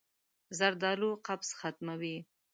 زردالو قبض ختموي.